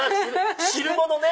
汁物ね！